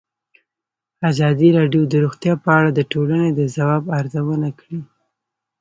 ازادي راډیو د روغتیا په اړه د ټولنې د ځواب ارزونه کړې.